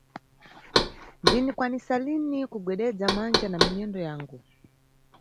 Ndindikwanisa lini kugwededza manja na minyendo yangu.